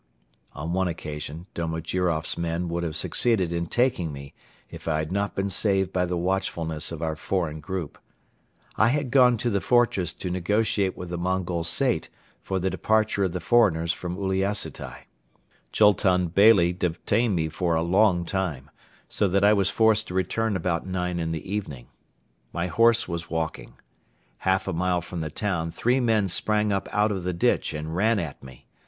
On one occasion Domojiroff's men would have succeeded in taking me if I had not been saved by the watchfulness of our foreign group. I had gone to the fortress to negotiate with the Mongol Sait for the departure of the foreigners from Uliassutai. Chultun Beyli detained me for a long time, so that I was forced to return about nine in the evening. My horse was walking. Half a mile from the town three men sprang up out of the ditch and ran at me.